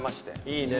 いいね。